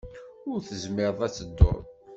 Ur tezmireḍ ad tedduḍ.